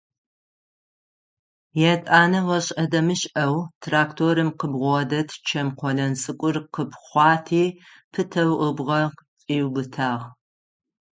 Етӏанэ ошӏэ-дэмышӏэу тракторым къыбгъодэт чэм къолэн цӏыкӏур къыпхъуати, пытэу ыбгъэ кӏиубытагъ.